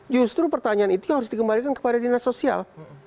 justru pertanyaan itu yang harus dikembalikan kepada dinas sosial